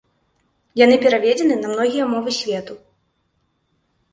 Яны пераведзены на многія мовы свету.